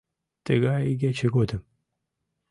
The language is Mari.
Тыгай игече годым?